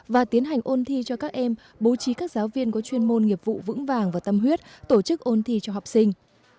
và tiến hành ôn thi cho các em bố trí các giáo viên có chuyên môn nghiệp vụ vững vàng và tâm huyết tổ chức ôn thi cho học sinh